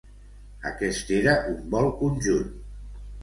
Aquest era un vol conjunt.